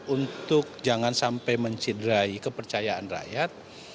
untuk jangan sampai mencidrai kepercayaan rakyat